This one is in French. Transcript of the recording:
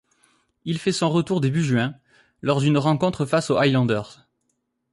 Il fait son retour début juin, lors d'une rencontre face aux Highlanders.